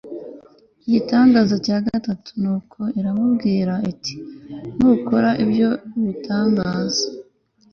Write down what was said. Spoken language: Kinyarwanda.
igitangaza cya gatatu nuko iramubwira iti nukora ibyo bitangaza